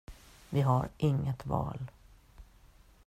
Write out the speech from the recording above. Vi har inget val!